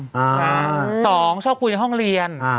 เพยรที่สองชอบคุยในห้องเรียน